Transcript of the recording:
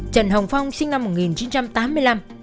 trần hồng phong sinh năm một nghìn chín trăm tám mươi năm